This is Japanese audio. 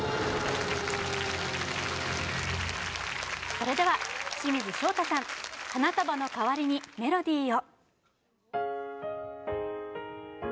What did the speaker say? それでは清水翔太さん「花束のかわりにメロディーを」